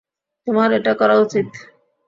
তোমার এটা করা উচিত।